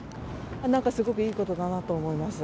なんかすごくいいことかなと思います。